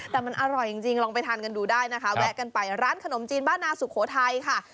แต่มันอร่อยจริงลองไปทานกันดูได้นะคะแวะกันไปร้านขนมจีนบ้านนาสุโขทัยค่ะ